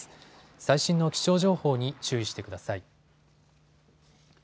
最新の気象情報に注意してください。